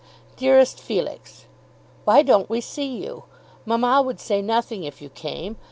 DEAREST FELIX, Why don't we see you? Mamma would say nothing if you came.